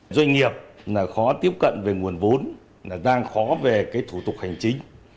doanh nghiệp khó tiếp cận về nguồn vốn đang khó về thủ tục hành chính